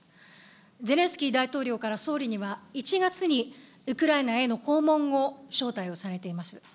ゼレンスキー大統領から総理には１月にウクライナへの訪問を招待をされています。